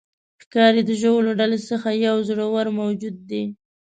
ښکاري د ژویو له ډلې څخه یو زړور موجود دی.